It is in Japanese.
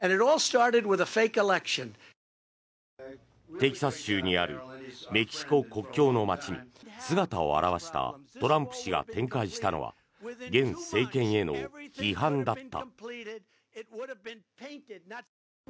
テキサス州にあるメキシコ国境の街に姿を現したトランプ氏が展開したのは現政権への批判だった。